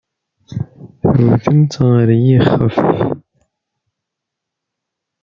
Tewtem-tt ɣer yiɣef.